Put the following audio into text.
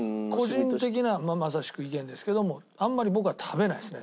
個人的なまさしく意見ですけどもあんまり僕は食べないですね